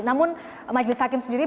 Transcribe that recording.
namun majelis hakim sendiri